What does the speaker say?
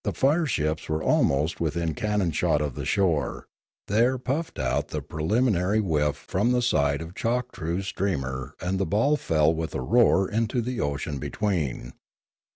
The fire ships were almost within cannon shot of the shore; there puffed out the preliminary whiff from the side of Choktroo' s steamer and the ball fell with a roar into the ocean between.